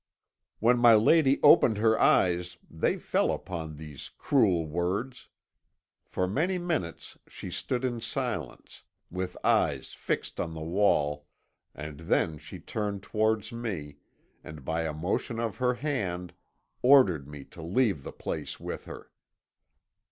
"When my lady opened her eyes they fell upon these cruel words. For many minutes she stood in silence, with eyes fixed on the wall, and then she turned towards me, and by a motion of her hand, ordered me to leave the place with her.